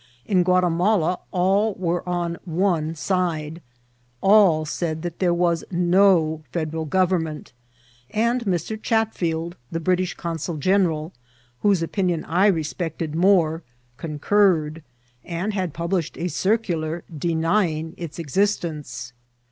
In Guatimala all were on one side ; all said that there was no Federal Government ; and Mr. Chatfield, the British consul general, whose opin* Ion I respected more, concurred, and had published a circular, denying its existence.